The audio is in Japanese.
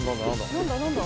何だ何だ？